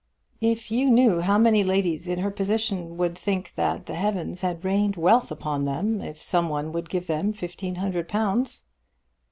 "If you knew how many ladies in her position would think that the heavens had rained wealth upon them if some one would give them fifteen hundred pounds!"